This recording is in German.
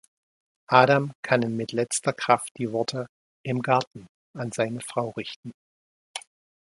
Adam kann mit letzter Kraft die Worte „im Garten“ an seine Frau richten.